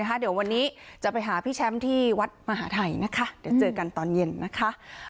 เดี๋ยววันนี้จะไปหาพี่แชมป์ที่วัดมหาทัยนะคะเดี๋ยวเจอกันตอนเย็นนะคะ